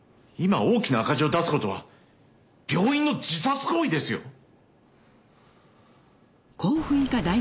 今大きな赤字を出すことは病院の自殺行為ですよ。